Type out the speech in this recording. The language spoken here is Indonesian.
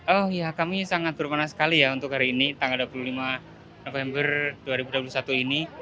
oh ya kami sangat bermanah sekali ya untuk hari ini tanggal dua puluh lima november dua ribu dua puluh satu ini